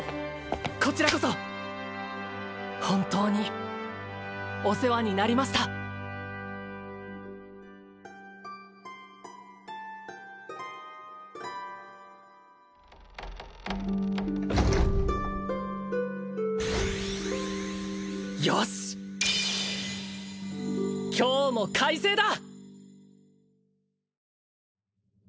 こちらこそ本当にお世話になりましたよし今日も快晴だ！